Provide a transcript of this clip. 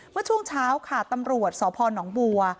เมื่อช่วงเช้าค่ะตำรวจสพนบัว